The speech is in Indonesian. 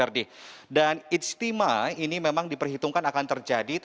dan istimewa ini memang diperhitungkan akan terjadi